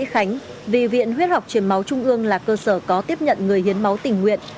bác sĩ khánh vì viện huyết học chuyển máu trung ương là cơ sở có tiếp nhận người hiến máu tình nguyện